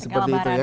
ketika lebaran ya